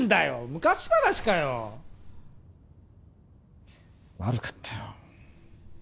昔話かよ悪かったよ